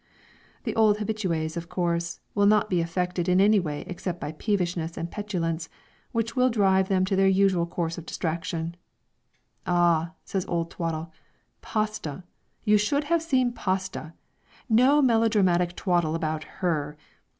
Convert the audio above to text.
The old habitués, of course, will not be affected in any way except by peevishness and petulance, which will drive them into their usual course of detraction. "Ah!" says old Twaddle; "Pasta you should have seen Pasta! No melodramatic twaddle about her!